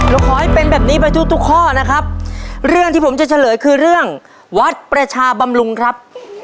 ขอให้เป็นแบบนี้ไปทุกทุกข้อนะครับเรื่องที่ผมจะเฉลยคือเรื่องวัดประชาบำรุงครับ